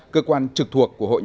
cơ quan trực thuộc của hội nghị